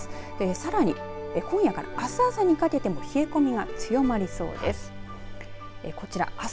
さらに今夜からあす朝にかけても冷え込みが強まりそうです。